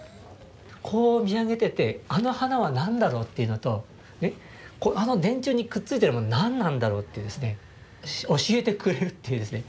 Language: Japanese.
こう見上げててあの花は何だろう？というのとあの電柱にくっついてるもの何なんだろう？というですね教えてくれるというですね。